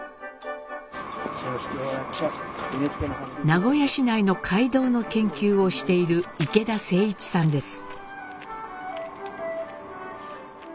名古屋市内の街道の研究をしている池田誠一さんです。